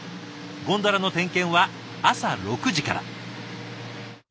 ゴンドラの点検は朝６時から。